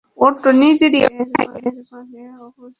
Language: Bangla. এর মানে অবুঝ মেয়ে।